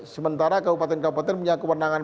sementara kabupaten kabupaten punya kewenangan